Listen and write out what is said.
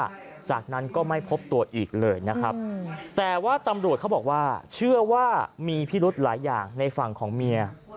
หลังจากนั้นก็ไม่พบตัวอีกเลยนะครับแต่ว่าตำรวจเขาบอกว่าเชื่อว่ามีพิรุธหลายอย่างในฝั่งของเมีย